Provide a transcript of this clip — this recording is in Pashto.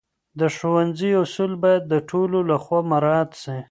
د ښوونځي اصول باید د ټولو لخوا مراعت سي.